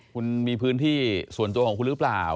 คุณมีพื้นที่ส่วนตัวของคุณหรือเปล่า